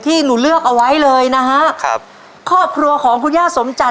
ที่ล้าวค่ะ